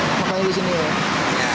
apalagi di sini ya